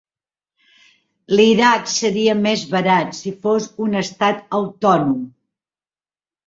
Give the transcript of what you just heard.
L'Iraq seria més barat si fos un estat autònom.